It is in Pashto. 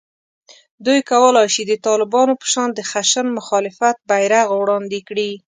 دوی کولای شي د طالبانو په شان د خشن مخالفت بېرغ وړاندې کړي